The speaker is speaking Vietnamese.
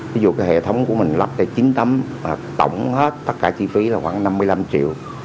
ví dụ cái hệ thống của mình lắp thì chín tấm và tổng hết tất cả chi phí là khoảng năm mươi năm triệu